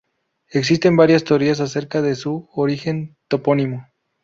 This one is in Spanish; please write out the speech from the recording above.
Existen varias teorías acerca de su origen toponímico.